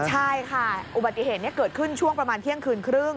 ใช่ค่ะอุบัติเหตุนี้เกิดขึ้นช่วงประมาณเที่ยงคืนครึ่ง